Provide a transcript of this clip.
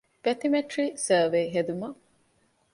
ބެތިމެޓްރީ ސަރވޭ ހެދުމަށް